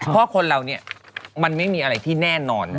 เพราะคนเราเนี่ยมันไม่มีอะไรที่แน่นอน